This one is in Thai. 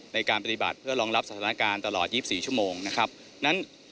ในการปฏิบัติเพื่อรองรับสถานการณ์ตลอด๒๔ชั่วโมงนะครับนั้น